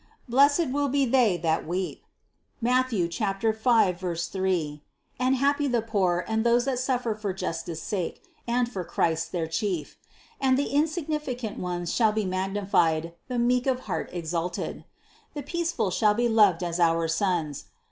Blessed will be they that weep (Matth. 5, 3), and happy the poor and those that suffer for justice sake and for Christ, their Chief; and the insignificant ones shall be magnified, the meek of heart exalted. The peaceful shall be loved as our sons.